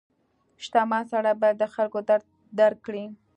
• شتمن سړی باید د خلکو درد درک کړي.